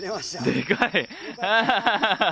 でかい！